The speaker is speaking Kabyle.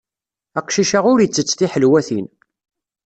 Aqcic-a ur ittett tiḥelwatin.